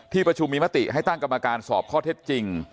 ประชุมมีมติให้ตั้งกรรมการสอบข้อเท็จจริง